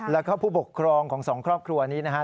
แล้วก็ผู้ปกครองของสองครอบครัวนี้นะฮะ